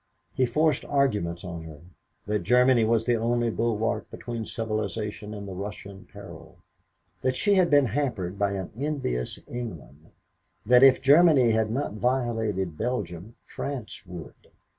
He forced arguments on her: that Germany was the only bulwark between civilization and the Russian peril; that she had been hampered by an envious England; that if Germany had not violated Belgium, France would.